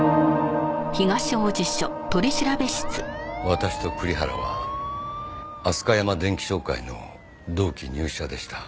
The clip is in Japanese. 私と栗原はアスカヤマ電器商会の同期入社でした。